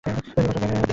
ওকে বসার জায়গা দাও।